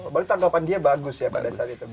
oh balik tanggapan dia bagus ya pada saat itu